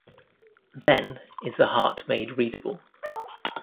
Then is the heart made readable.